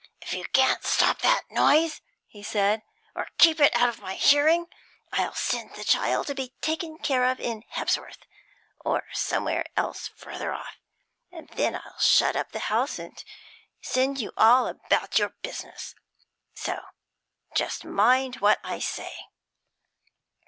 'If you can't stop that noise,' he said, 'or keep it out of my hearing, I'll send the child to be taken care of in Hebsworth, or somewhere else further off, and then I'll shut up the house and send you all about your business. So just mind what I say.'